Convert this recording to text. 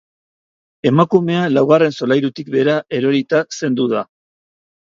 Emakumea laugarren solairutik behera erorita zendu da.